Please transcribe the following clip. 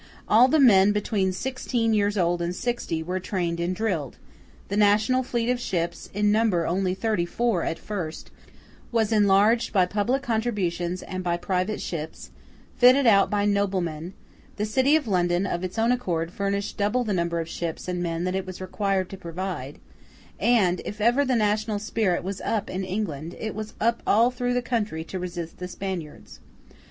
All the men between sixteen years old and sixty, were trained and drilled; the national fleet of ships (in number only thirty four at first) was enlarged by public contributions and by private ships, fitted out by noblemen; the city of London, of its own accord, furnished double the number of ships and men that it was required to provide; and, if ever the national spirit was up in England, it was up all through the country to resist the Spaniards.